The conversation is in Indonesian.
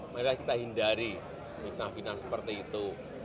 mari kita hindari fitnah fitnah seperti itu